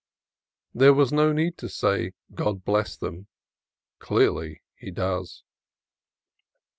There was no need to say, God bless them: clearly He does.